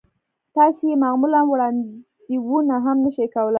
تاسې يې معمولاً وړاندوينه هم نه شئ کولای.